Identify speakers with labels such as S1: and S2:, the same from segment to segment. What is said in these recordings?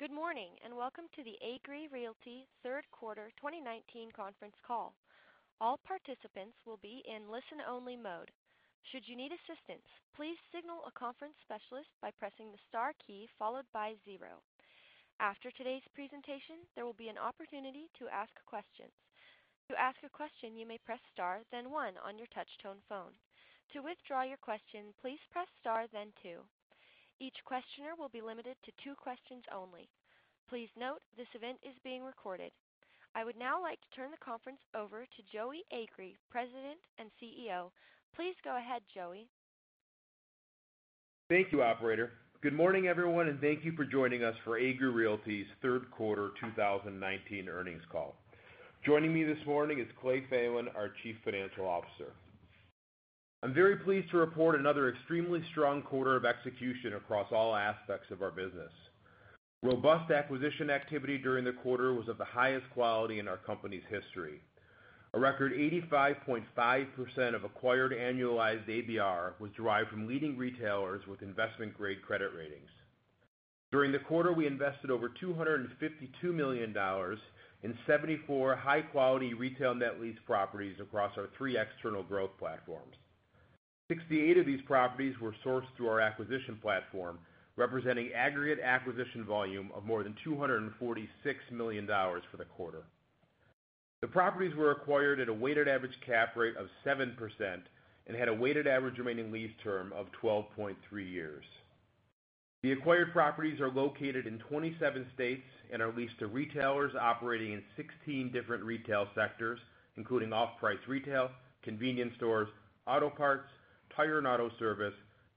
S1: Good morning, welcome to the Agree Realty third quarter 2019 conference call. All participants will be in listen only mode. Should you need assistance, please signal a conference specialist by pressing the star key followed by zero. After today's presentation, there will be an opportunity to ask questions. To ask a question, you may press star then one on your touch tone phone. To withdraw your question, please press star then two. Each questioner will be limited to two questions only. Please note, this event is being recorded. I would now like to turn the conference over to Joey Agree, President and CEO. Please go ahead, Joey.
S2: Thank you, operator. Good morning everyone, and thank you for joining us for Agree Realty's third quarter 2019 earnings call. Joining me this morning is Clay Thelen, our Chief Financial Officer. I'm very pleased to report another extremely strong quarter of execution across all aspects of our business. Robust acquisition activity during the quarter was of the highest quality in our company's history. A record 85.5% of acquired annualized ABR was derived from leading retailers with investment grade credit ratings. During the quarter, we invested over $252 million in 74 high-quality retail net lease properties across our three external growth platforms. 68 of these properties were sourced through our acquisition platform, representing aggregate acquisition volume of more than $246 million for the quarter. The properties were acquired at a weighted average cap rate of 7% and had a weighted average remaining lease term of 12.3 years. The acquired properties are located in 27 states and are leased to retailers operating in 16 different retail sectors, including off-price retail, convenience stores, auto parts, tire and auto service,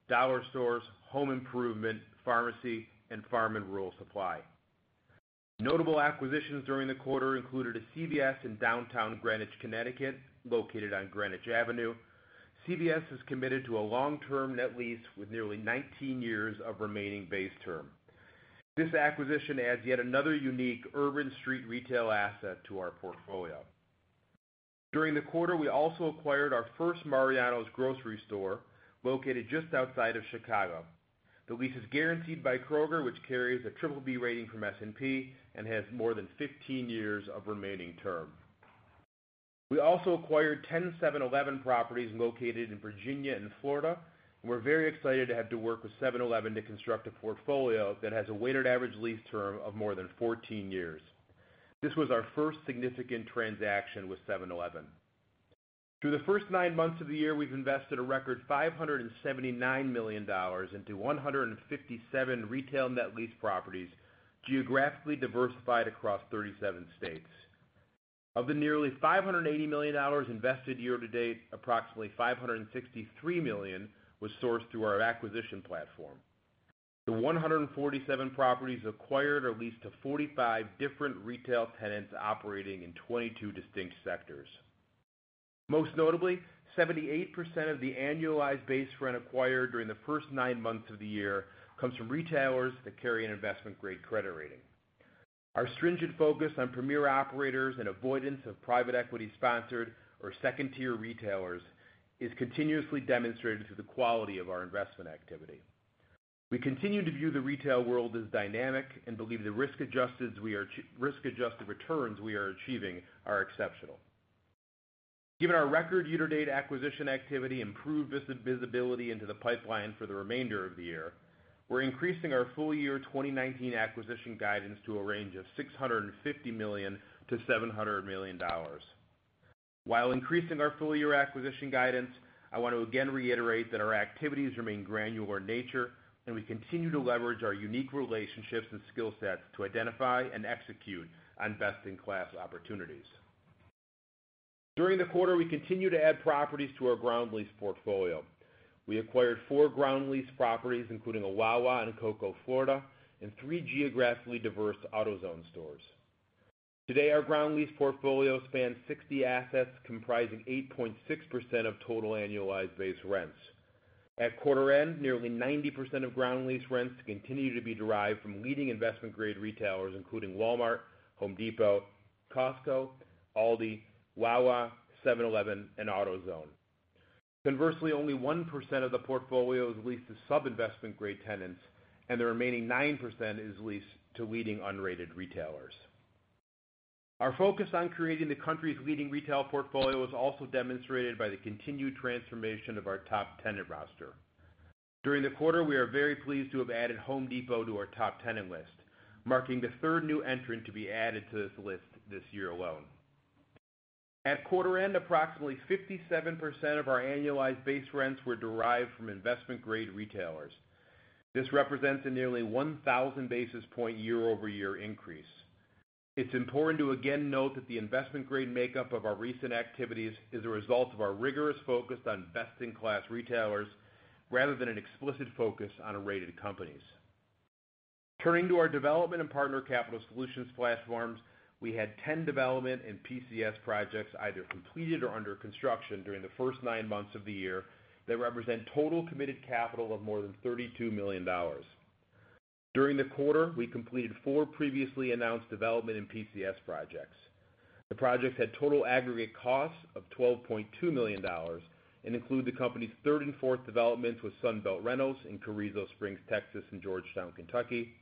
S2: dollar stores, home improvement, pharmacy, and farm and rural supply. Notable acquisitions during the quarter included a CVS in downtown Greenwich, Connecticut, located on Greenwich Avenue. CVS has committed to a long-term net lease with nearly 19 years of remaining base term. This acquisition adds yet another unique urban street retail asset to our portfolio. During the quarter, we also acquired our first Mariano's grocery store located just outside of Chicago. The lease is guaranteed by Kroger, which carries a triple B rating from S&P and has more than 15 years of remaining term. We also acquired 10 7-Eleven properties located in Virginia and Florida, and we're very excited to have to work with 7-Eleven to construct a portfolio that has a weighted average lease term of more than 14 years. This was our first significant transaction with 7-Eleven. Through the first nine months of the year, we've invested a record $579 million into 157 retail net lease properties, geographically diversified across 37 states. Of the nearly $580 million invested year to date, approximately $563 million was sourced through our acquisition platform. The 147 properties acquired are leased to 45 different retail tenants operating in 22 distinct sectors. Most notably, 78% of the annualized base rent acquired during the first nine months of the year comes from retailers that carry an investment-grade credit rating. Our stringent focus on premier operators and avoidance of private equity sponsored or second-tier retailers is continuously demonstrated through the quality of our investment activity. We continue to view the retail world as dynamic and believe the risk-adjusted returns we are achieving are exceptional. Given our record year-to-date acquisition activity, improved visibility into the pipeline for the remainder of the year, we're increasing our full year 2019 acquisition guidance to a range of $650 million-$700 million. While increasing our full year acquisition guidance, I want to again reiterate that our activities remain granular in nature, and we continue to leverage our unique relationships and skill sets to identify and execute on best-in-class opportunities. During the quarter, we continued to add properties to our ground lease portfolio. We acquired four ground lease properties, including a Wawa in Cocoa, Florida, and three geographically diverse AutoZone stores. Today, our ground lease portfolio spans 60 assets, comprising 8.6% of total annualized base rents. At quarter end, nearly 90% of ground lease rents continue to be derived from leading investment-grade retailers, including Walmart, Home Depot, Costco, Aldi, Wawa, 7-Eleven, and AutoZone. Conversely, only 1% of the portfolio is leased to sub-investment grade tenants, and the remaining 9% is leased to leading unrated retailers. Our focus on creating the country's leading retail portfolio is also demonstrated by the continued transformation of our top tenant roster. During the quarter, we are very pleased to have added Home Depot to our top tenant list, marking the third new entrant to be added to this list this year alone. At quarter end, approximately 57% of our annualized base rents were derived from investment-grade retailers. This represents a nearly 1,000 basis point year-over-year increase. It's important to again note that the investment grade makeup of our recent activities is a result of our rigorous focus on best-in-class retailers, rather than an explicit focus on A-rated companies. Turning to our development and Partner Capital Solutions platforms, we had 10 development and PCS projects either completed or under construction during the first nine months of the year that represent total committed capital of more than $32 million. During the quarter, we completed four previously announced development in PCS projects. The project had total aggregate costs of $12.2 million and include the company's third and fourth developments with Sunbelt Rentals in Carrizo Springs, Texas, and Georgetown, Kentucky,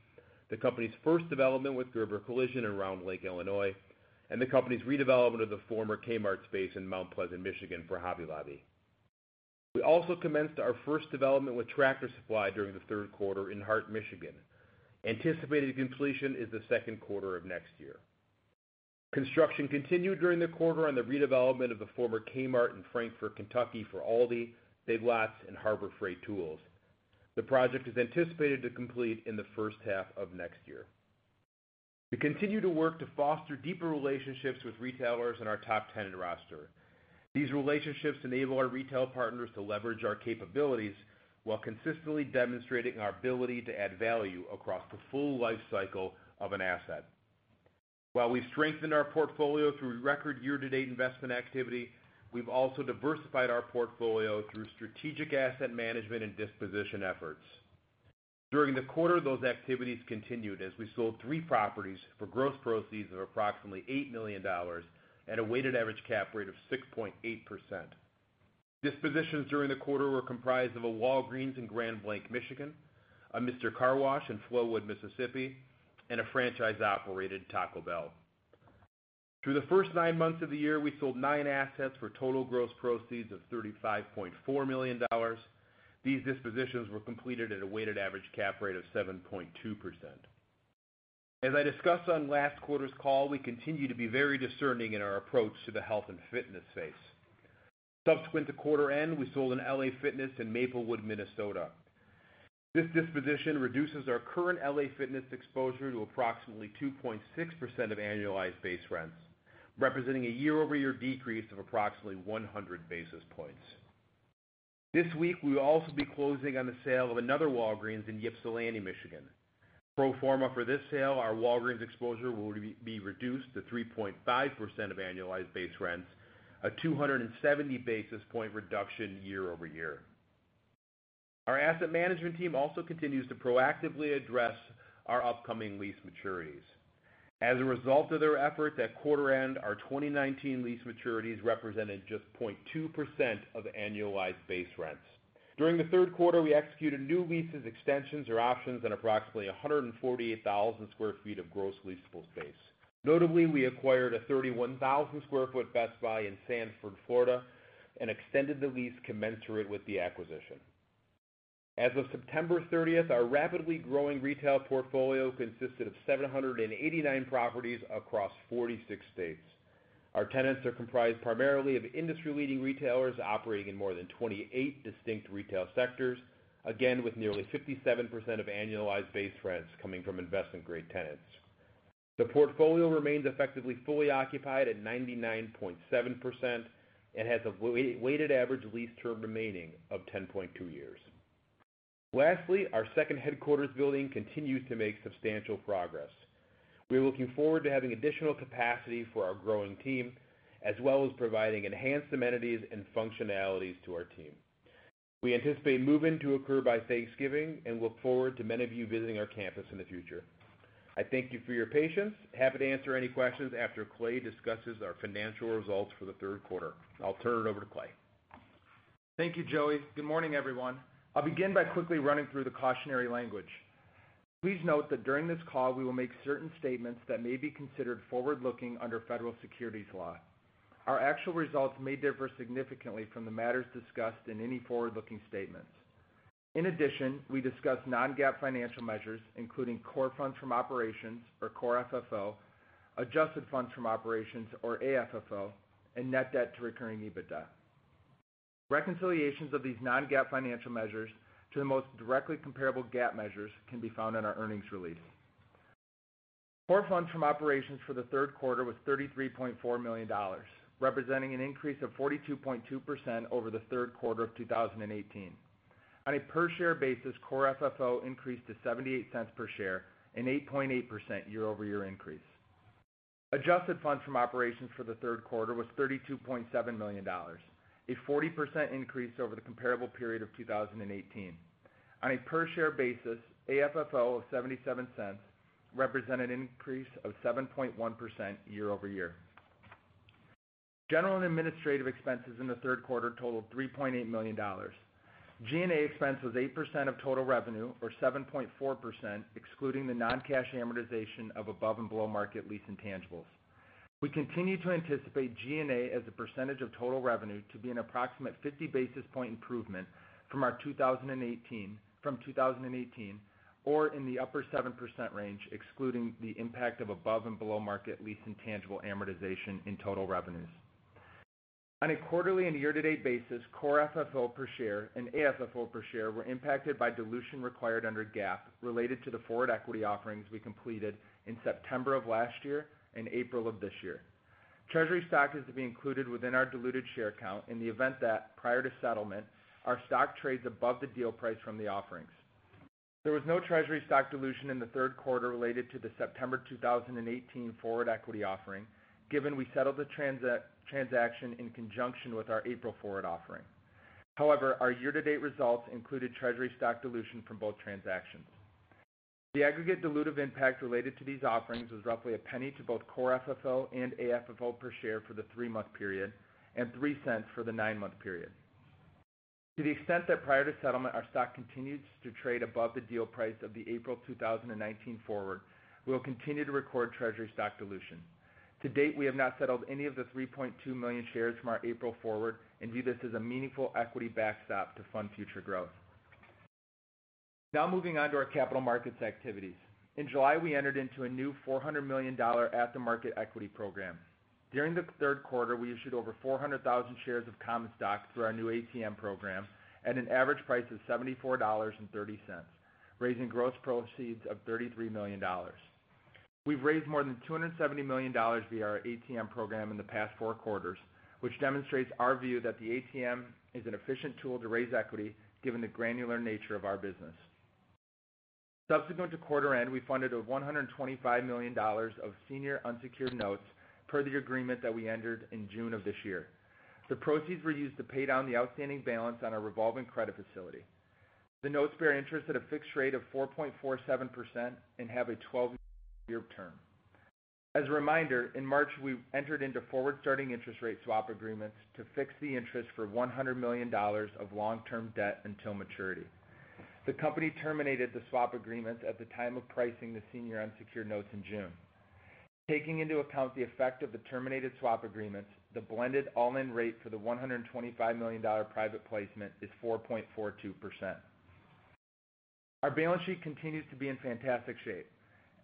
S2: the company's first development with Gerber Collision in Round Lake, Illinois, and the company's redevelopment of the former Kmart space in Mount Pleasant, Michigan for Hobby Lobby. We also commenced our first development with Tractor Supply during the third quarter in Hart, Michigan. Anticipated completion is the second quarter of next year. Construction continued during the quarter on the redevelopment of the former Kmart in Frankfort, Kentucky for Aldi, Big Lots, and Harbor Freight Tools. The project is anticipated to complete in the first half of next year. We continue to work to foster deeper relationships with retailers in our top 10 roster. These relationships enable our retail partners to leverage our capabilities while consistently demonstrating our ability to add value across the full life cycle of an asset. While we've strengthened our portfolio through record year-to-date investment activity, we've also diversified our portfolio through strategic asset management and disposition efforts. During the quarter, those activities continued as we sold three properties for gross proceeds of approximately $8 million at a weighted average cap rate of 6.8%. Dispositions during the quarter were comprised of a Walgreens in Grand Blanc, Michigan, a Mister Car Wash in Flowood, Mississippi, and a franchise-operated Taco Bell. Through the first nine months of the year, we sold nine assets for total gross proceeds of $35.4 million. These dispositions were completed at a weighted average cap rate of 7.2%. As I discussed on last quarter's call, we continue to be very discerning in our approach to the health and fitness space. Subsequent to quarter end, we sold an LA Fitness in Maplewood, Minnesota. This disposition reduces our current LA Fitness exposure to approximately 2.6% of annualized base rents, representing a year-over-year decrease of approximately 100 basis points. This week, we will also be closing on the sale of another Walgreens in Ypsilanti, Michigan. Pro forma for this sale, our Walgreens exposure will be reduced to 3.5% of annualized base rents, a 270 basis points reduction year-over-year. Our asset management team also continues to proactively address our upcoming lease maturities. As a result of their effort at quarter end, our 2019 lease maturities represented just 0.2% of annualized base rents. During the third quarter, we executed new leases, extensions, or options on approximately 148,000 sq ft of gross leasable space. Notably, we acquired a 31,000 sq ft Best Buy in Sanford, Florida, and extended the lease commensurate with the acquisition. As of September 30th, our rapidly growing retail portfolio consisted of 789 properties across 46 states. Our tenants are comprised primarily of industry-leading retailers operating in more than 28 distinct retail sectors, again, with nearly 57% of annualized base rents coming from investment-grade tenants. The portfolio remains effectively fully occupied at 99.7% and has a weighted average lease term remaining of 10.2 years. Lastly, our second headquarters building continues to make substantial progress. We're looking forward to having additional capacity for our growing team, as well as providing enhanced amenities and functionalities to our team. We anticipate move-in to occur by Thanksgiving and look forward to many of you visiting our campus in the future. I thank you for your patience. Happy to answer any questions after Clay discusses our financial results for the third quarter. I'll turn it over to Clay.
S3: Thank you, Joey. Good morning, everyone. I'll begin by quickly running through the cautionary language. Please note that during this call, we will make certain statements that may be considered forward-looking under federal securities law. Our actual results may differ significantly from the matters discussed in any forward-looking statements. In addition, we discuss non-GAAP financial measures, including Core Funds from Operations or Core FFO, Adjusted Funds from Operations or AFFO, and net debt to recurring EBITDA. Reconciliations of these non-GAAP financial measures to the most directly comparable GAAP measures can be found in our earnings release. Core Funds from Operations for the third quarter was $33.4 million, representing an increase of 42.2% over the third quarter of 2018. On a per-share basis, Core FFO increased to $0.78 per share, an 8.8% year-over-year increase. Adjusted funds from operations for the third quarter was $32.7 million, a 40% increase over the comparable period of 2018. On a per-share basis, AFFO of $0.77 represented an increase of 7.1% year-over-year. General and administrative expenses in the third quarter totaled $3.8 million. G&A expense was 8% of total revenue or 7.4% excluding the non-cash amortization of above and below market lease intangibles. We continue to anticipate G&A as a percentage of total revenue to be an approximate 50-basis point improvement from our 2018 from 2018 or in the upper 7% range, excluding the impact of above and below market lease intangible amortization in total revenues. On a quarterly and year-to-date basis, Core FFO per share and AFFO per share were impacted by dilution required under GAAP related to the forward equity offerings we completed in September of last year and April of this year. Treasury stock is to be included within our diluted share count in the event that, prior to settlement, our stock trades above the deal price from the offerings. There was no treasury stock dilution in the third quarter related to the September 2018 forward equity offering, given we settled the transaction in conjunction with our April forward offering. Our year-to-date results included treasury stock dilution from both transactions. The aggregate dilutive impact related to these offerings was roughly $0.01 to both Core FFO and AFFO per share for the three-month period, and $0.03 for the nine-month period. To the extent that prior to settlement, our stock continues to trade above the deal price of the April 2019 forward, we will continue to record treasury stock dilution. To date, we have not settled any of the 3.2 million shares from our April forward and view this as a meaningful equity backstop to fund future growth. Moving on to our capital markets activities. In July, we entered into a new $400 million at-the-market equity program. During the third quarter, we issued over 400,000 shares of common stock through our new ATM program at an average price of $74.30, raising gross proceeds of $33 million. We've raised more than $270 million via our ATM program in the past four quarters, which demonstrates our view that the ATM is an efficient tool to raise equity given the granular nature of our business. Subsequent to quarter end, we funded a $125 million of senior unsecured notes per the agreement that we entered in June of this year. The proceeds were used to pay down the outstanding balance on our revolving credit facility. The notes bear interest at a fixed rate of 4.47% and have a 12-year term. As a reminder, in March, we entered into forward-starting interest rate swap agreements to fix the interest for $100 million of long-term debt until maturity. The company terminated the swap agreements at the time of pricing the senior unsecured notes in June. Taking into account the effect of the terminated swap agreements, the blended all-in rate for the $125 million private placement is 4.42%. Our balance sheet continues to be in fantastic shape.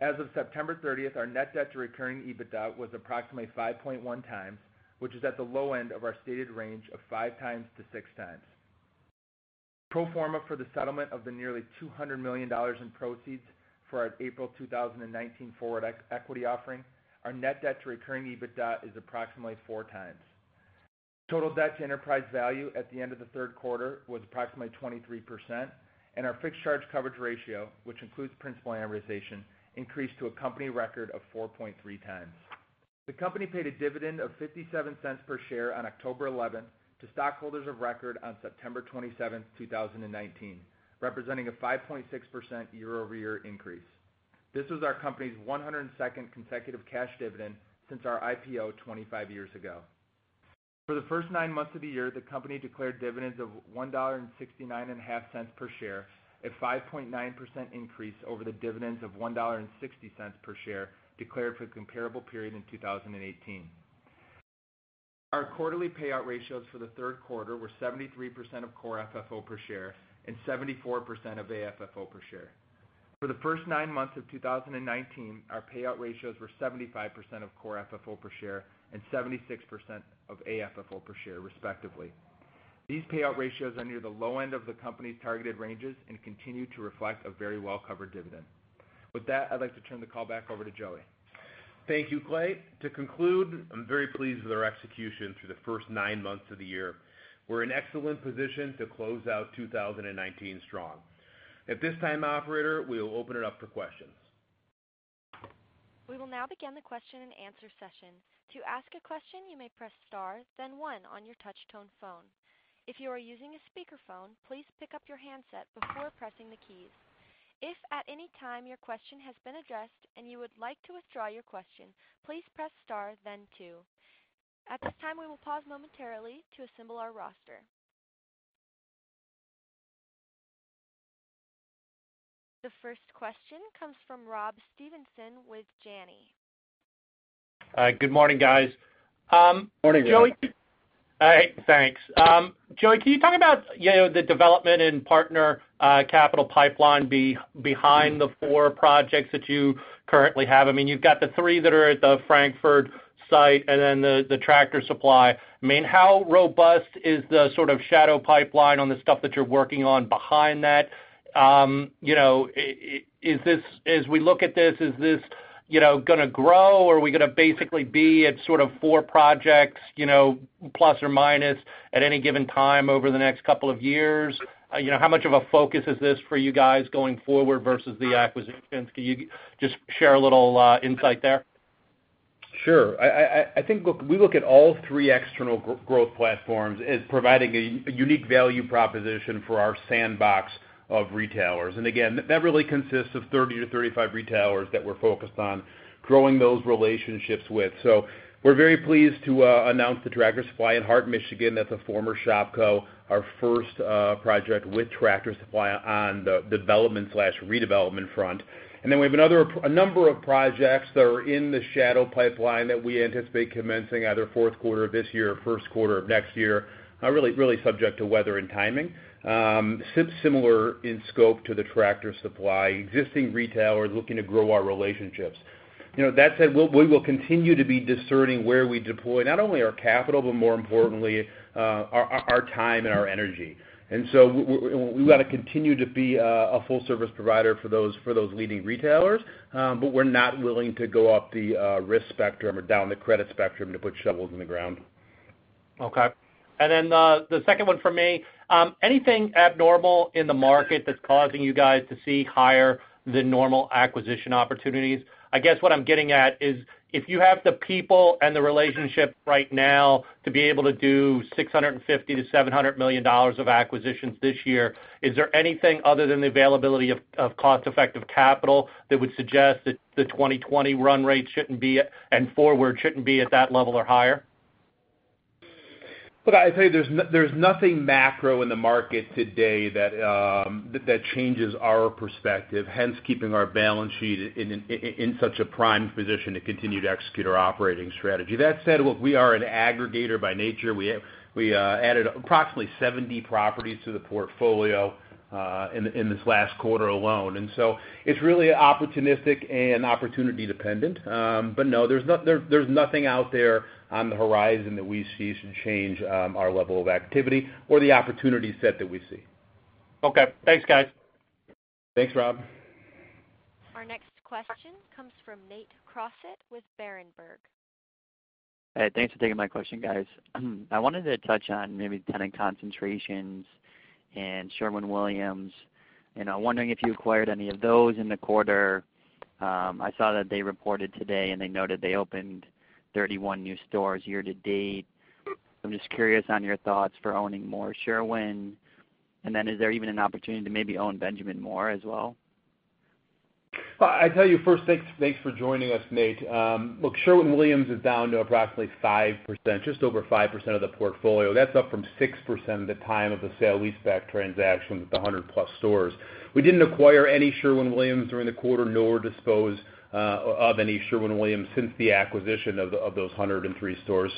S3: As of September 30th, our net debt to recurring EBITDA was approximately 5.1 times, which is at the low end of our stated range of 5 times to 6 times. Pro forma for the settlement of the nearly $200 million in proceeds for our April 2019 forward equity offering, our net debt to recurring EBITDA is approximately four times. Total debt to enterprise value at the end of the third quarter was approximately 23%, and our fixed charge coverage ratio, which includes principal amortization, increased to a company record of 4.3 times. The company paid a dividend of $0.57 per share on October 11th to stockholders of record on September 27th, 2019, representing a 5.6% year-over-year increase. This was our company's 102nd consecutive cash dividend since our IPO 25 years ago. For the first nine months of the year, the company declared dividends of $1.695 per share, a 5.9% increase over the dividends of $1.60 per share declared for the comparable period in 2018. Our quarterly payout ratios for the third quarter were 73% of Core FFO per share and 74% of AFFO per share. For the first nine months of 2019, our payout ratios were 75% of Core FFO per share and 76% of AFFO per share, respectively. These payout ratios are near the low end of the company's targeted ranges and continue to reflect a very well-covered dividend. With that, I'd like to turn the call back over to Joey.
S2: Thank you, Clay. To conclude, I'm very pleased with our execution through the first nine months of the year. We're in excellent position to close out 2019 strong. At this time, operator, we will open it up for questions.
S1: We will now begin the question and answer session. To ask a question, you may press star, then one on your touch tone phone. If you are using a speakerphone, please pick up your handset before pressing the keys. If at any time your question has been addressed and you would like to withdraw your question, please press star, then two. At this time, we will pause momentarily to assemble our roster. The first question comes from Rob Stevenson with Janney.
S4: Good morning, guys.
S2: Morning, Rob.
S4: Hey, thanks. Joey, can you talk about the development in partner capital pipeline behind the 4 projects that you currently have? You've got the three that are at the Frankfort site and then the Tractor Supply. How robust is the sort of shadow pipeline on the stuff that you're working on behind that? As we look at this, is this going to grow, or are we going to basically be at sort of 4 projects, plus or minus, at any given time over the next couple of years? How much of a focus is this for you guys going forward versus the acquisitions? Can you just share a little insight there?
S2: Sure. I think we look at all three external growth platforms as providing a unique value proposition for our sandbox of retailers. That really consists of 30 to 35 retailers that we're focused on growing those relationships with. We're very pleased to announce the Tractor Supply in Hart, Michigan. That's a former Shopko, our first project with Tractor Supply on the development/redevelopment front. We have a number of projects that are in the shadow pipeline that we anticipate commencing either fourth quarter of this year or first quarter of next year, really subject to weather and timing, similar in scope to the Tractor Supply, existing retailers looking to grow our relationships. That said, we will continue to be discerning where we deploy not only our capital, but more importantly, our time and our energy. We want to continue to be a full service provider for those leading retailers, but we're not willing to go up the risk spectrum or down the credit spectrum to put shovels in the ground.
S4: Okay. The second one for me, anything abnormal in the market that's causing you guys to see higher than normal acquisition opportunities? I guess what I'm getting at is if you have the people and the relationship right now to be able to do $650 million-$700 million of acquisitions this year, is there anything other than the availability of cost-effective capital that would suggest that the 2020 run rate shouldn't be, and forward shouldn't be at that level or higher?
S2: Look, I tell you, there's nothing macro in the market today that changes our perspective, hence keeping our balance sheet in such a prime position to continue to execute our operating strategy. That said, look, we are an aggregator by nature. We added approximately 70 properties to the portfolio in this last quarter alone. It's really opportunistic and opportunity dependent. No, there's nothing out there on the horizon that we see should change our level of activity or the opportunity set that we see.
S4: Okay. Thanks, guys.
S2: Thanks, Rob.
S1: Our next question comes from Nate Crossett with Berenberg.
S5: Hey, thanks for taking my question, guys. I wanted to touch on maybe tenant concentrations and Sherwin-Williams, and I'm wondering if you acquired any of those in the quarter. I saw that they reported today, and they noted they opened 31 new stores year to date. I'm just curious on your thoughts for owning more Sherwin. Is there even an opportunity to maybe own Benjamin Moore as well?
S2: Well, I tell you first, thanks for joining us, Nate. Look, Sherwin-Williams is down to approximately 5%, just over 5% of the portfolio. That's up from 6% at the time of the sale leaseback transaction with the 100-plus stores. We didn't acquire any Sherwin-Williams during the quarter, nor dispose of any Sherwin-Williams since the acquisition of those 103 stores.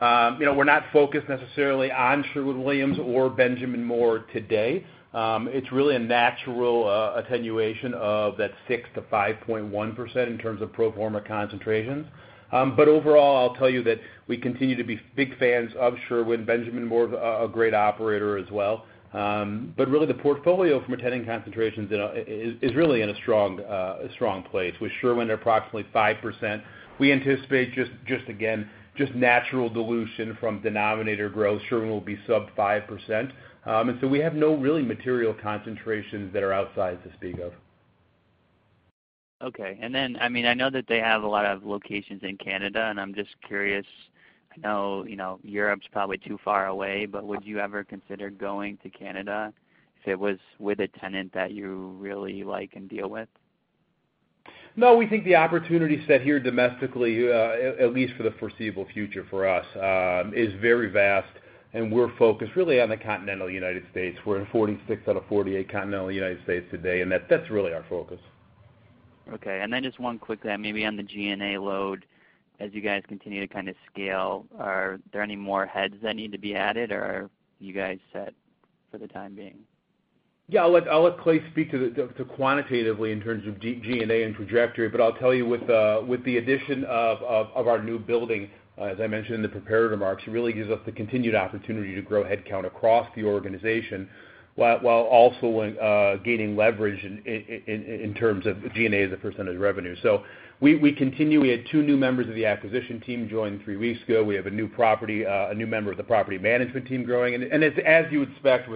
S2: We're not focused necessarily on Sherwin-Williams or Benjamin Moore today. It's really a natural attenuation of that 6% to 5.1% in terms of pro forma concentrations. Overall, I'll tell you that we continue to be big fans of Sherwin. Benjamin Moore's a great operator as well. Really the portfolio from a tenant concentrations is really in a strong place with Sherwin at approximately 5%. We anticipate, just again, natural dilution from denominator growth. Sherwin will be sub 5%. We have no really material concentrations that are outside to speak of.
S5: Okay. I know that they have a lot of locations in Canada, and I'm just curious. I know Europe's probably too far away, but would you ever consider going to Canada if it was with a tenant that you really like and deal with?
S2: We think the opportunity set here domestically, at least for the foreseeable future for us, is very vast, and we're focused really on the continental United States. We're in 46 out of 48 continental United States today, and that's really our focus.
S5: Okay, just one quick maybe on the G&A load. As you guys continue to kind of scale, are there any more heads that need to be added, or are you guys set for the time being?
S2: I'll let Clay speak to quantitatively in terms of G&A and trajectory, but I'll tell you with the addition of our new building, as I mentioned in the prepared remarks, really gives us the continued opportunity to grow headcount across the organization, while also gaining leverage in terms of G&A as a percentage of revenue. We continue. We had two new members of the acquisition team join three weeks ago. We have a new member of the property management team growing. As you expect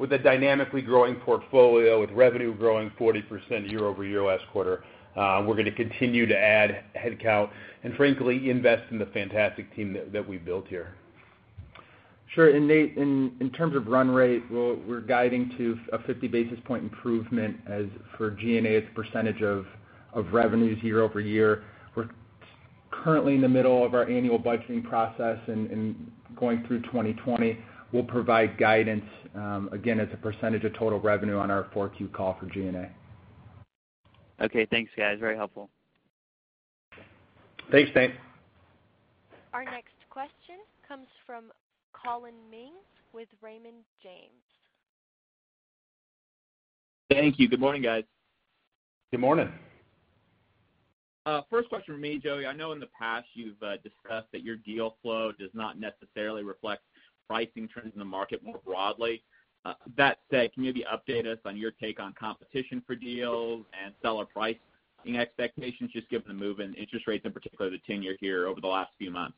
S2: with a dynamically growing portfolio, with revenue growing 40% year-over-year last quarter, we're going to continue to add headcount and frankly, invest in the fantastic team that we've built here.
S3: Sure. Nate, in terms of run rate, we're guiding to a 50 basis points improvement. For G&A, it's a percentage of revenues year-over-year. We're currently in the middle of our annual budgeting process and going through 2020. We'll provide guidance, again, as a percentage of total revenue on our 4Q call for G&A.
S5: Okay, thanks, guys. Very helpful.
S2: Thanks, Nate.
S1: Our next question comes from Collin Mings with Raymond James.
S6: Thank you. Good morning, guys.
S2: Good morning.
S6: First question from me, Joey. I know in the past you've discussed that your deal flow does not necessarily reflect pricing trends in the market more broadly. That said, can you maybe update us on your take on competition for deals and seller pricing expectations, just given the move in interest rates, in particular the 10-year here over the last few months?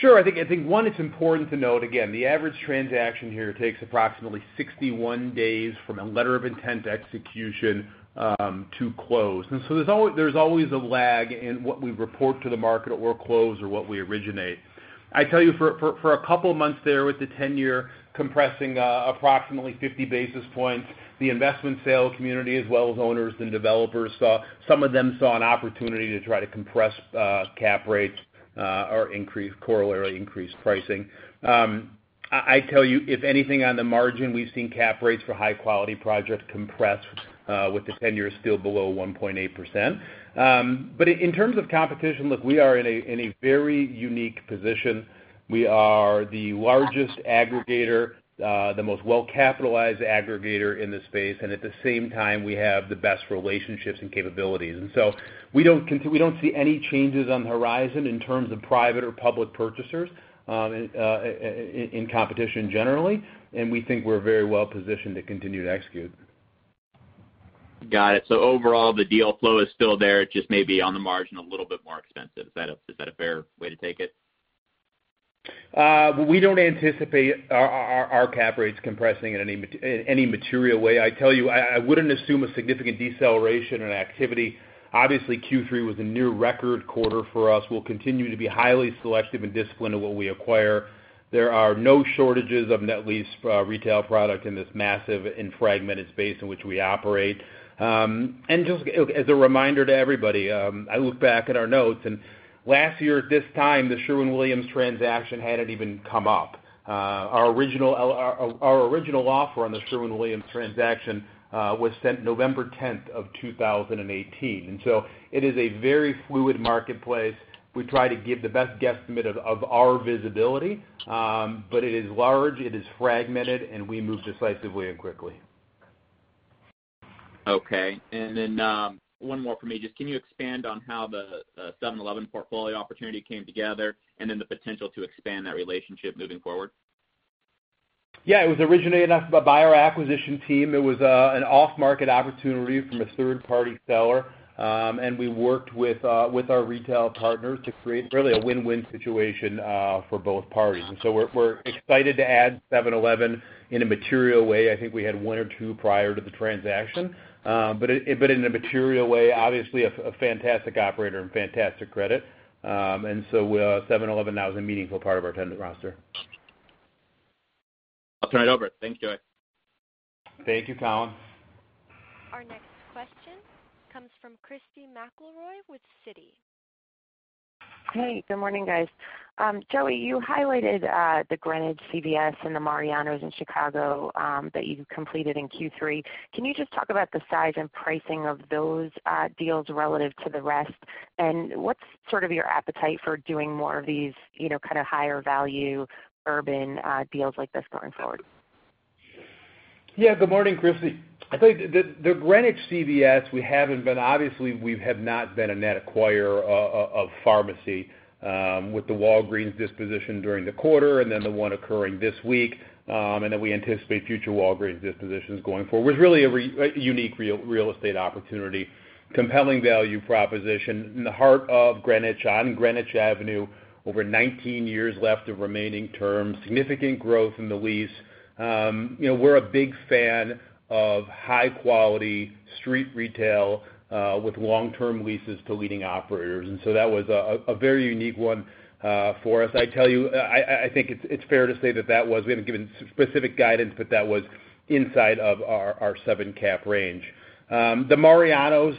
S2: Sure. I think, one, it's important to note, again, the average transaction here takes approximately 61 days from a letter of intent to execution to close. There's always a lag in what we report to the market at where it closed or what we originate. I tell you, for a couple of months there with the tenure compressing approximately 50 basis points, the investment sales community as well as owners and developers some of them saw an opportunity to try to compress cap rates or corollary increase pricing. I tell you, if anything on the margin, we've seen cap rates for high-quality projects compress with the tenure still below 1.8%. In terms of competition, look, we are in a very unique position. We are the largest aggregator, the most well-capitalized aggregator in this space, and at the same time, we have the best relationships and capabilities. We don't see any changes on the horizon in terms of private or public purchasers in competition generally. We think we're very well positioned to continue to execute.
S6: Got it. Overall, the deal flow is still there, just maybe on the margin a little bit more expensive. Is that a fair way to take it?
S2: We don't anticipate our cap rates compressing in any material way. I tell you, I wouldn't assume a significant deceleration in activity. Obviously, Q3 was a near record quarter for us. We'll continue to be highly selective and disciplined in what we acquire. There are no shortages of net lease retail product in this massive and fragmented space in which we operate. Just as a reminder to everybody, I look back at our notes, and last year at this time, the Sherwin-Williams transaction hadn't even come up. Our original offer on the Sherwin-Williams transaction was sent November 10th of 2018. It is a very fluid marketplace. We try to give the best guesstimate of our visibility. It is large, it is fragmented, and we move decisively and quickly.
S6: Okay. Then, one more from me. Just can you expand on how the 7-Eleven portfolio opportunity came together and then the potential to expand that relationship moving forward?
S2: It was originated by our acquisition team. It was an off-market opportunity from a third-party seller. We worked with our retail partners to create really a win-win situation for both parties. We're excited to add 7-Eleven in a material way. I think we had one or two prior to the transaction. In a material way, obviously, a fantastic operator and fantastic credit. 7-Eleven now is a meaningful part of our tenant roster.
S6: I'll turn it over. Thank you.
S2: Thank you, Collin.
S1: Our next question comes from Christy McElroy with Citi.
S7: Hey, good morning, guys. Joey, you highlighted the Greenwich CVS and the Mariano's in Chicago that you completed in Q3. Can you just talk about the size and pricing of those deals relative to the rest? What's sort of your appetite for doing more of these kind of higher value urban deals like this going forward?
S2: Good morning, Christy. I tell you, the Greenwich CVS, obviously, we have not been a net acquirer of pharmacy, with the Walgreens disposition during the quarter and then the one occurring this week, and then we anticipate future Walgreens dispositions going forward. It was really a unique real estate opportunity, compelling value proposition in the heart of Greenwich, on Greenwich Avenue, over 19 years left of remaining terms, significant growth in the lease. We're a big fan of high-quality street retail with long-term leases to leading operators. That was a very unique one for us. I tell you, I think it's fair to say that was, we haven't given specific guidance, but that was inside of our seven cap range. The Mariano's,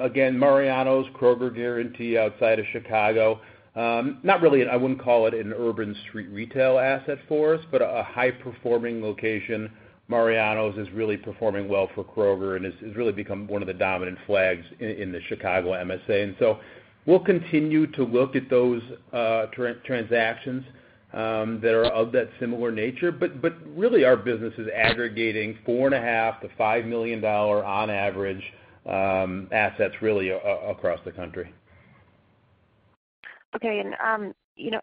S2: again, Mariano's Kroger guarantee outside of Chicago. I wouldn't call it an urban street retail asset for us, but a high-performing location. Mariano's is really performing well for Kroger, and has really become one of the dominant flags in the Chicago MSA. We'll continue to look at those transactions that are of that similar nature. Really, our business is aggregating $4.5 million-$5 million on average assets, really, across the country.
S7: Okay.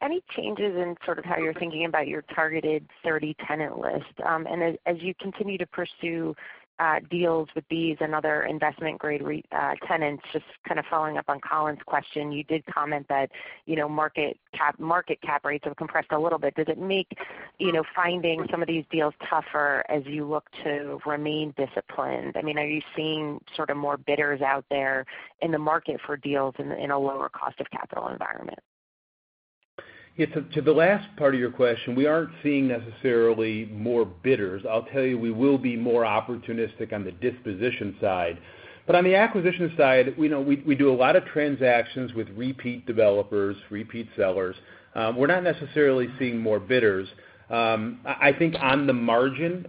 S7: Any changes in sort of how you're thinking about your targeted 30 tenant list? As you continue to pursue deals with these and other investment-grade tenants, just kind of following up on Collin's question, you did comment that market cap rates have compressed a little bit. Does it make finding some of these deals tougher as you look to remain disciplined? Are you seeing sort of more bidders out there in the market for deals in a lower cost of capital environment?
S2: To the last part of your question, we aren't seeing necessarily more bidders. I'll tell you, we will be more opportunistic on the disposition side. On the acquisition side, we do a lot of transactions with repeat developers, repeat sellers. We're not necessarily seeing more bidders. I think on the margin,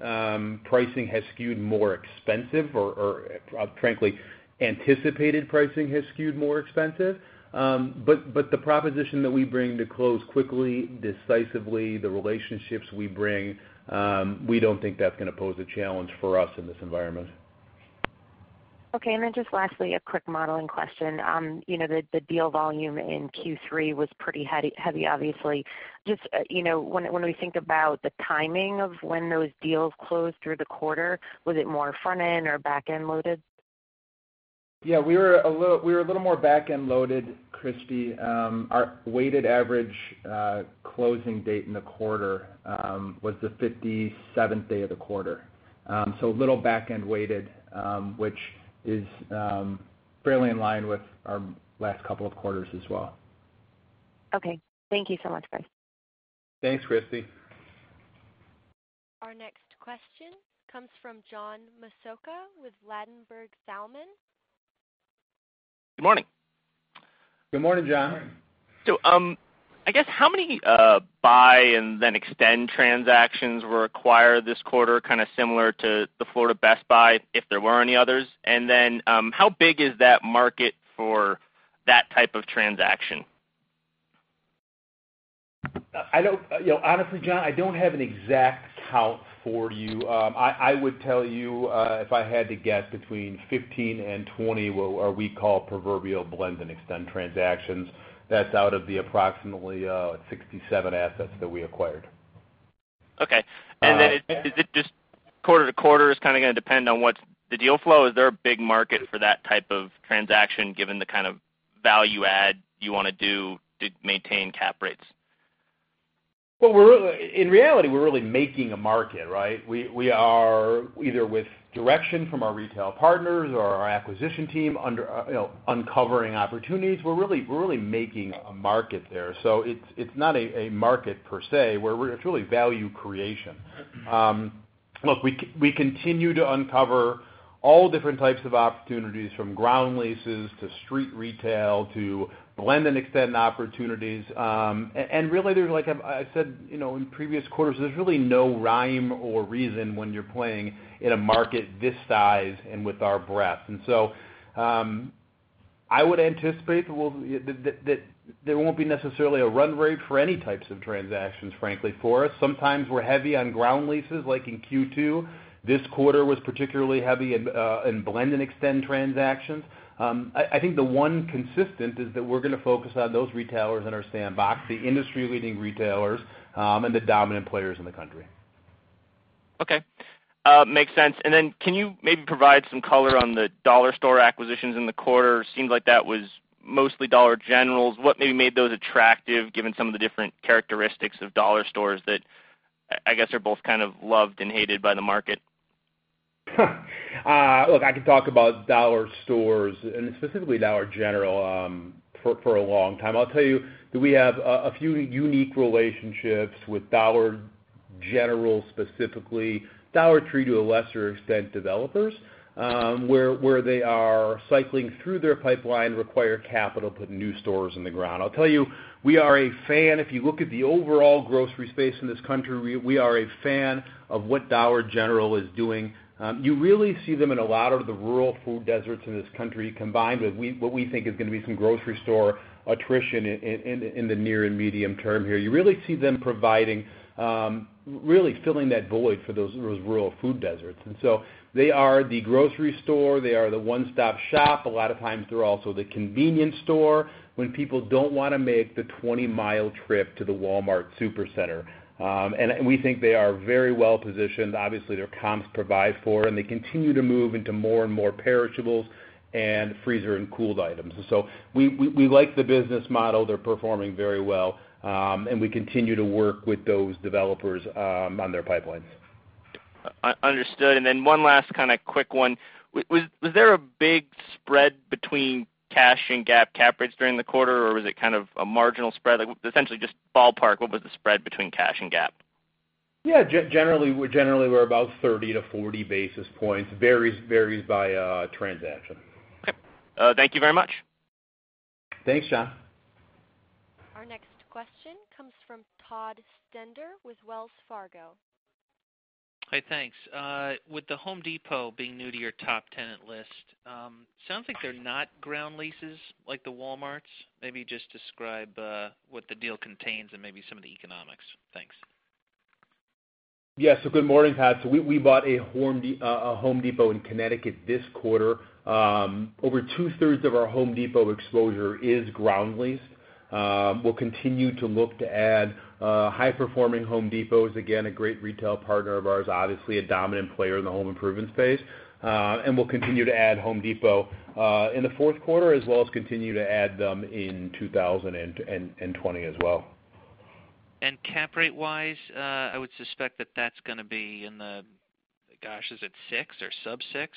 S2: pricing has skewed more expensive, or frankly, anticipated pricing has skewed more expensive. The proposition that we bring to close quickly, decisively, the relationships we bring, we don't think that's going to pose a challenge for us in this environment.
S7: Okay. Then just lastly, a quick modeling question. The deal volume in Q3 was pretty heavy, obviously. Just when we think about the timing of when those deals closed through the quarter, was it more front-end or back-end loaded?
S2: Yeah, we were a little more back-end loaded, Christy. Our weighted average closing date in the quarter was the 57th day of the quarter. A little back-end weighted, which is fairly in line with our last couple of quarters as well.
S7: Okay. Thank you so much, guys.
S2: Thanks, Christy.
S1: Our next question comes from John Massocca with Ladenburg Thalmann.
S8: Good morning.
S2: Good morning, John.
S8: I guess how many blend and extend transactions were acquired this quarter, kind of similar to the Florida Best Buy, if there were any others? How big is that market for that type of transaction?
S2: Honestly, John, I don't have an exact count for you. I would tell you, if I had to guess, between 15 and 20, what we call proverbial blend and extend transactions. That's out of the approximately 67 assets that we acquired.
S8: Okay. Is it just quarter to quarter is kind of going to depend on what's the deal flow? Is there a big market for that type of transaction, given the kind of value add you want to do to maintain cap rates?
S2: Well, in reality, we're really making a market, right? We are either with direction from our retail partners or our acquisition team uncovering opportunities. We're really making a market there. It's not a market per se, where it's really value creation. Look, we continue to uncover all different types of opportunities, from ground leases to street retail to blend and extend opportunities. Really, like I said in previous quarters, there's really no rhyme or reason when you're playing in a market this size and with our breadth. I would anticipate that there won't be necessarily a run rate for any types of transactions, frankly, for us. Sometimes we're heavy on ground leases, like in Q2. This quarter was particularly heavy in blend and extend transactions. I think the one consistent is that we're going to focus on those retailers in our sandbox, the industry-leading retailers, and the dominant players in the country.
S8: Okay. Makes sense. Can you maybe provide some color on the dollar store acquisitions in the quarter? Seemed like that was mostly Dollar Generals. What maybe made those attractive, given some of the different characteristics of dollar stores that I guess are both kind of loved and hated by the market?
S2: Look, I can talk about dollar stores and specifically Dollar General for a long time. I'll tell you that we have a few unique relationships with Dollar General, specifically. Dollar Tree, to a lesser extent, developers, where they are cycling through their pipeline, require capital to put new stores in the ground. I'll tell you, we are a fan. If you look at the overall grocery space in this country, we are a fan of what Dollar General is doing. You really see them in a lot of the rural food deserts in this country, combined with what we think is going to be some grocery store attrition in the near and medium term here. You really see them providing, really filling that void for those rural food deserts. They are the grocery store. They are the one-stop shop. A lot of times they're also the convenience store when people don't want to make the 20-mile trip to the Walmart Supercenter. We think they are very well-positioned. Obviously, their comps provide for. They continue to move into more and more perishables and freezer and cooled items. We like the business model. They're performing very well, and we continue to work with those developers on their pipelines.
S8: Understood. One last kind of quick one. Was there a big spread between cash and GAAP cap rates during the quarter, or was it kind of a marginal spread? Essentially just ballpark, what was the spread between cash and GAAP?
S2: Yeah, generally, we're about 30 to 40 basis points. Varies by transaction.
S8: Okay. Thank you very much.
S2: Thanks, John.
S1: Our next question comes from Todd Stender with Wells Fargo.
S9: Hey, thanks. With The Home Depot being new to your top tenant list, sounds like they're not ground leases like the Walmarts. Maybe just describe what the deal contains and maybe some of the economics. Thanks.
S2: Yeah. Good morning, Todd. We bought a Home Depot in Connecticut this quarter. Over two-thirds of our Home Depot exposure is ground leased. We'll continue to look to add high-performing Home Depots, again, a great retail partner of ours, obviously a dominant player in the home improvement space. We'll continue to add Home Depot in the fourth quarter, as well as continue to add them in 2020 as well.
S9: Cap rate wise, I would suspect that that's going to be in the, gosh, is it six or sub six?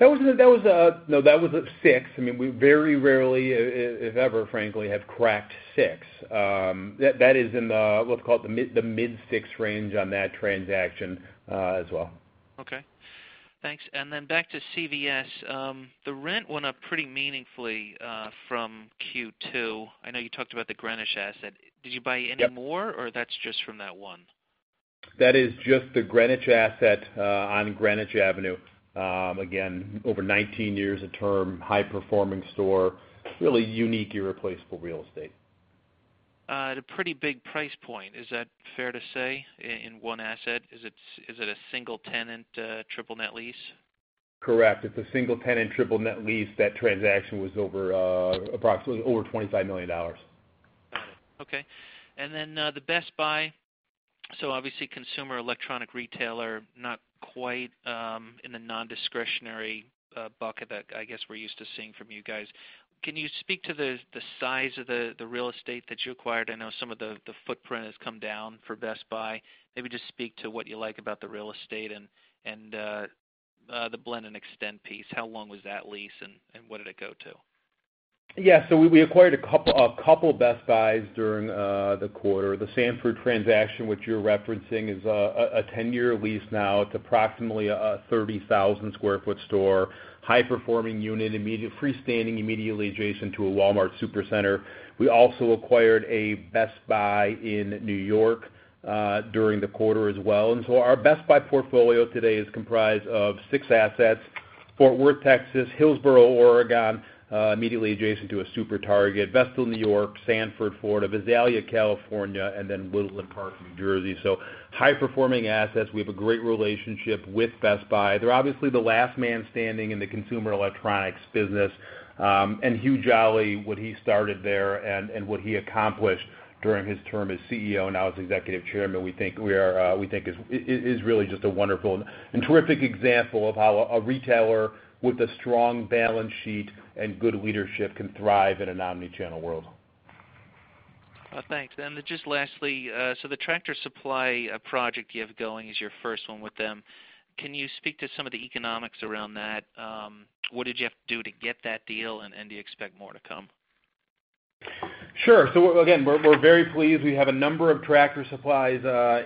S2: No, that was a six. I mean, we very rarely, if ever, frankly, have cracked six. That is in the, let's call it the mid six range on that transaction as well.
S9: Okay. Thanks. Back to CVS. The rent went up pretty meaningfully from Q2. I know you talked about the Greenwich asset. Did you buy any?
S2: Yep
S9: That's just from that one?
S2: That is just the Greenwich asset on Greenwich Avenue. Again, over 19 years a term, high-performing store, really unique, irreplaceable real estate.
S9: At a pretty big price point, is that fair to say, in one asset? Is it a single-tenant triple net lease?
S2: Correct. It's a single-tenant triple net lease. That transaction was approximately over $25 million.
S9: Got it. Okay. The Best Buy, so obviously consumer electronic retailer, not quite in the non-discretionary bucket that I guess we're used to seeing from you guys. Can you speak to the size of the real estate that you acquired? I know some of the footprint has come down for Best Buy. Just speak to what you like about the real estate and the blend and extend piece. How long was that lease, and what did it go to?
S2: Yeah. We acquired a couple of Best Buys during the quarter. The Sanford transaction, which you're referencing, is a 10-year lease now. It's approximately a 30,000 sq ft store, high-performing unit, freestanding, immediately adjacent to a Walmart Supercenter. We also acquired a Best Buy in New York during the quarter as well. Our Best Buy portfolio today is comprised of six assets, Fort Worth, Texas, Hillsboro, Oregon, immediately adjacent to a SuperTarget, Vestal, N.Y., Sanford, Florida, Visalia, California, and then Woodland Park, N.J. High-performing assets. We have a great relationship with Best Buy. They're obviously the last man standing in the consumer electronics business. Hubert Joly, what he started there and what he accomplished during his term as CEO and now as Executive Chairman, we think is really just a wonderful and terrific example of how a retailer with a strong balance sheet and good leadership can thrive in an omni-channel world.
S9: Thanks. Just lastly, so the Tractor Supply project you have going is your first one with them. Can you speak to some of the economics around that? What did you have to do to get that deal, and do you expect more to come?
S2: Sure. Again, we're very pleased. We have a number of Tractor Supply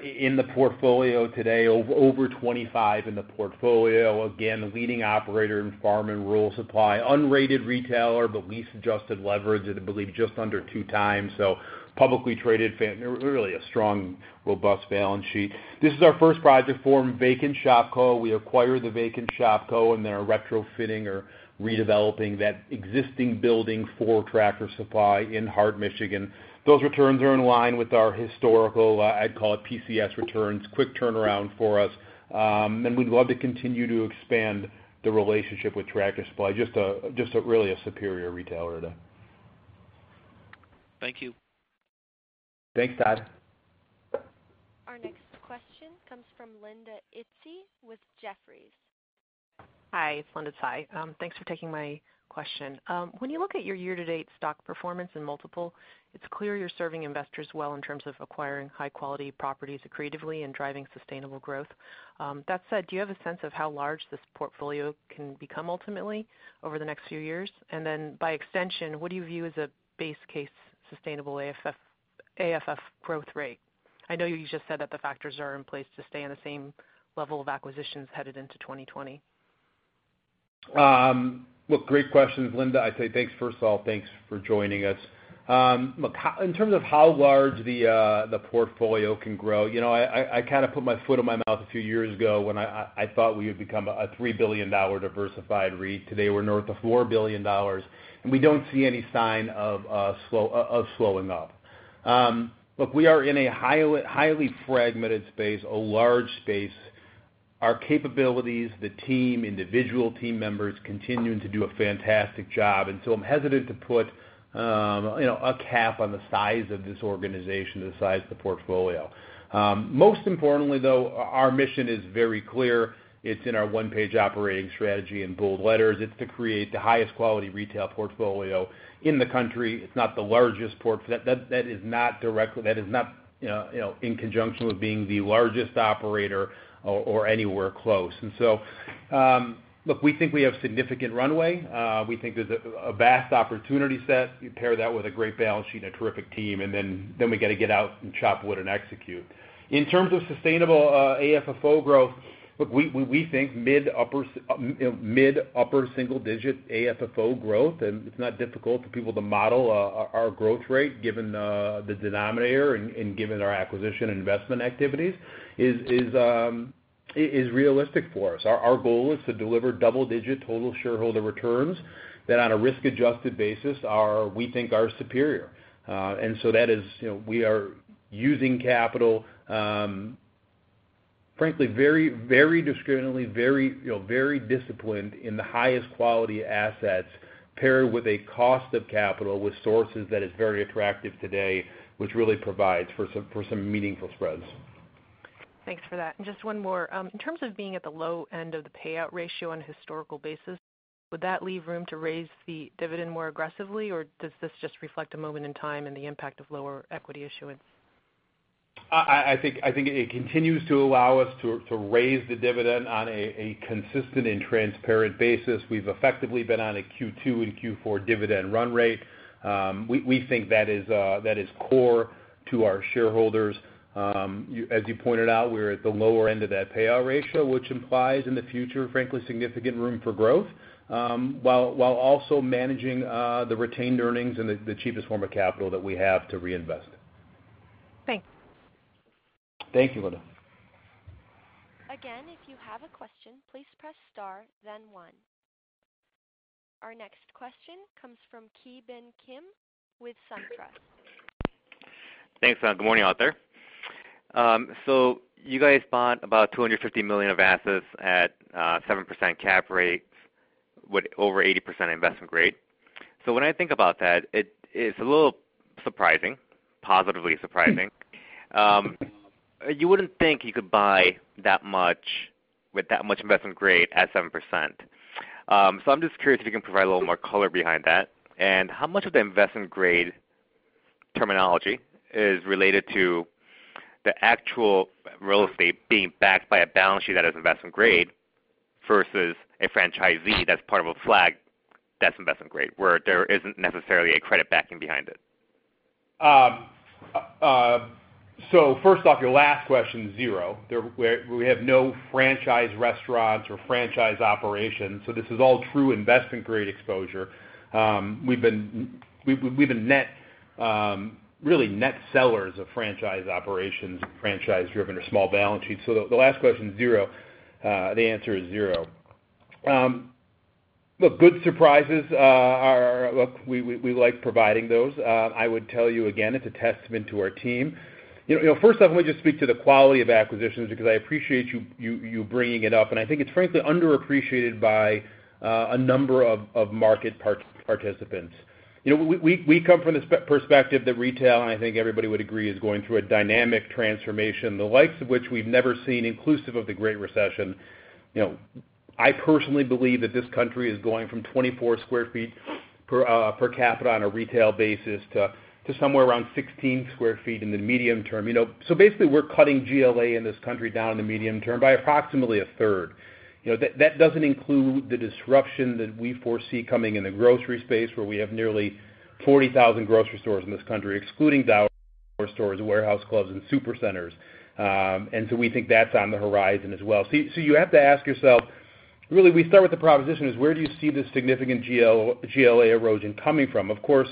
S2: in the portfolio today, over 25 in the portfolio. Again, the leading operator in farm and rural supply. Unrated retailer, but lease-adjusted leverage at, I believe, just under two times. Publicly traded, really a strong, robust balance sheet. This is our first project from Vacant Shop Co. We acquired the Vacant Shop Co., and they're retrofitting or redeveloping that existing building for Tractor Supply in Hart, Michigan. Those returns are in line with our historical, I'd call it PCS returns. Quick turnaround for us. We'd love to continue to expand the relationship with Tractor Supply. Just really a superior retailer.
S9: Thank you.
S2: Thanks, Todd.
S1: Our next question comes from Linda Tsai with Jefferies.
S10: Hi, it's Linda Tsai. Thanks for taking my question. When you look at your year-to-date stock performance and multiple, it's clear you're serving investors well in terms of acquiring high-quality properties creatively and driving sustainable growth. Do you have a sense of how large this portfolio can become ultimately over the next few years? By extension, what do you view as a base case sustainable AFF growth rate? I know you just said that the factors are in place to stay on the same level of acquisitions headed into 2020.
S2: Great questions, Linda Tsai. Thanks first of all. Thanks for joining us. In terms of how large the portfolio can grow, I kind of put my foot in my mouth a few years ago when I thought we would become a $3 billion diversified REIT. Today we're north of $4 billion, we don't see any sign of slowing up. We are in a highly fragmented space, a large space. Our capabilities, the team, individual team members continuing to do a fantastic job. I'm hesitant to put a cap on the size of this organization, the size of the portfolio. Most importantly, though, our mission is very clear. It's in our one-page operating strategy in bold letters. It's to create the highest quality retail portfolio in the country. It's not the largest port-- that is not in conjunction with being the largest operator or anywhere close. Look, we think we have significant runway. We think there's a vast opportunity set. You pair that with a great balance sheet and a terrific team, we got to get out and chop wood and execute. In terms of sustainable AFFO growth, look, we think mid, upper single-digit AFFO growth. It's not difficult for people to model our growth rate given the denominator and given our acquisition investment activities. It is realistic for us. Our goal is to deliver double-digit total shareholder returns that on a risk-adjusted basis, we think are superior. We are using capital, frankly, very discriminately, very disciplined in the highest quality assets, paired with a cost of capital with sources that is very attractive today, which really provides for some meaningful spreads.
S10: Thanks for that. Just one more. In terms of being at the low end of the payout ratio on a historical basis, would that leave room to raise the dividend more aggressively, or does this just reflect a moment in time and the impact of lower equity issuance?
S2: I think it continues to allow us to raise the dividend on a consistent and transparent basis. We've effectively been on a Q2 and Q4 dividend run rate. We think that is core to our shareholders. As you pointed out, we're at the lower end of that payout ratio, which implies in the future, frankly, significant room for growth, while also managing the retained earnings and the cheapest form of capital that we have to reinvest.
S10: Thanks.
S2: Thank you, Linda.
S1: Again, if you have a question, please press star then one. Our next question comes from Ki Bin Kim with SunTrust.
S11: Thanks. Good morning, Joey. You guys bought about $250 million of assets at 7% cap rate with over 80% investment grade. When I think about that, it's a little surprising, positively surprising. You wouldn't think you could buy that much with that much investment grade at 7%. I'm just curious if you can provide a little more color behind that, and how much of the investment grade terminology is related to the actual real estate being backed by a balance sheet that is investment grade versus a franchisee that's part of a flag that's investment grade, where there isn't necessarily a credit backing behind it?
S2: First off, your last question, zero. We have no franchise restaurants or franchise operations. This is all true investment-grade exposure. We've been really net sellers of franchise operations, franchise-driven or small balance sheets. The last question is zero. The answer is zero. Look, good surprises, we like providing those. I would tell you again, it's a testament to our team. First off, let me just speak to the quality of acquisitions, because I appreciate you bringing it up, and I think it's frankly underappreciated by a number of market participants. We come from this perspective that retail, and I think everybody would agree, is going through a dynamic transformation, the likes of which we've never seen, inclusive of the Great Recession. I personally believe that this country is going from 24 square feet per capita on a retail basis to somewhere around 16 square feet in the medium term. Basically, we're cutting GLA in this country down in the medium term by approximately a third. That doesn't include the disruption that we foresee coming in the grocery space, where we have nearly 40,000 grocery stores in this country, excluding dollar stores, warehouse clubs, and super centers. We think that's on the horizon as well. You have to ask yourself, really, we start with the proposition is where do you see this significant GLA erosion coming from? Of course,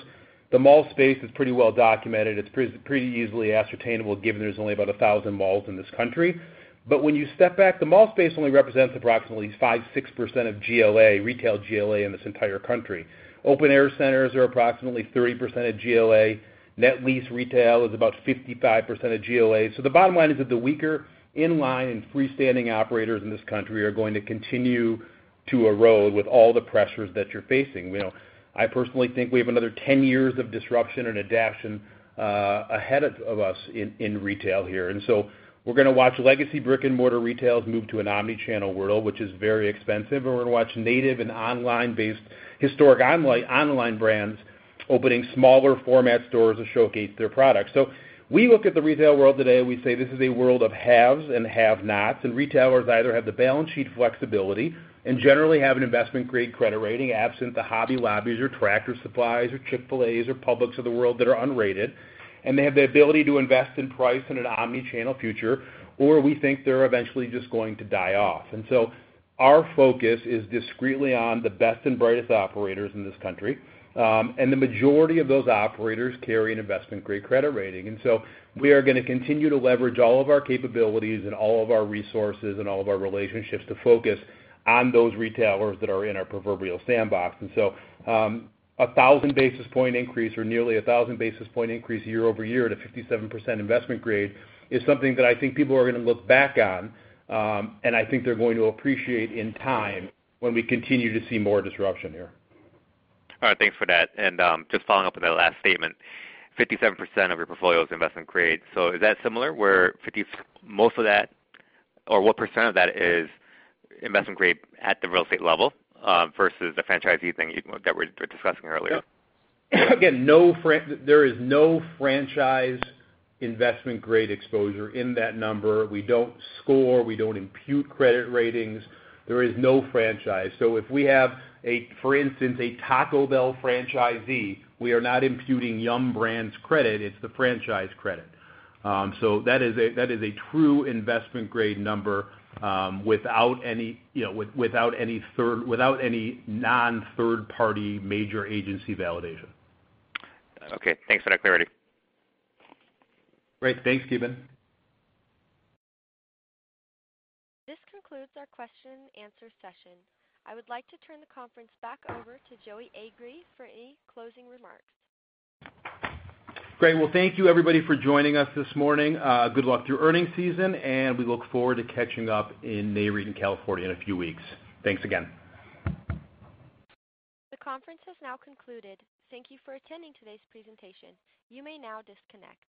S2: the mall space is pretty well documented. It's pretty easily ascertainable given there's only about 1,000 malls in this country. When you step back, the mall space only represents approximately 5%, 6% of retail GLA in this entire country. Open air centers are approximately 30% of GLA. Net lease retail is about 55% of GLA. The bottom line is that the weaker in-line and freestanding operators in this country are going to continue to erode with all the pressures that you're facing. I personally think we have another 10 years of disruption and adaptation ahead of us in retail here. We're going to watch legacy brick-and-mortar retails move to an omni-channel world, which is very expensive. We're going to watch native and historic online brands opening smaller format stores to showcase their products. We look at the retail world today, we say this is a world of haves and have-nots, and retailers either have the balance sheet flexibility and generally have an investment-grade credit rating, absent the Hobby Lobby or Tractor Supply or Chick-fil-A or Publix of the world that are unrated, and they have the ability to invest in price in an omni-channel future, or we think they're eventually just going to die off. Our focus is discretely on the best and brightest operators in this country. The majority of those operators carry an investment-grade credit rating. We are going to continue to leverage all of our capabilities and all of our resources and all of our relationships to focus on those retailers that are in our proverbial sandbox. 1,000-basis point increase, or nearly 1,000-basis point increase year-over-year to 57% investment grade is something that I think people are going to look back on, and I think they're going to appreciate in time when we continue to see more disruption here.
S11: All right. Thanks for that. Just following up with that last statement, 57% of your portfolio is investment grade. Is that similar where most of that or what percent of that is investment grade at the real estate level versus the franchisee thing that we were discussing earlier?
S2: Again, there is no franchise investment grade exposure in that number. We don't score. We don't impute credit ratings. There is no franchise. If we have, for instance, a Taco Bell franchisee, we are not imputing Yum! Brands credit, it's the franchise credit. That is a true investment grade number without any non-third-party major agency validation.
S11: Okay. Thanks for that clarity.
S2: Great. Thanks, Ki Bin.
S1: This concludes our question and answer session. I would like to turn the conference back over to Joey Agree for any closing remarks.
S2: Great. Well, thank you everybody for joining us this morning. Good luck through earnings season, and we look forward to catching up in Nareit in California in a few weeks. Thanks again.
S1: The conference has now concluded. Thank you for attending today's presentation. You may now disconnect.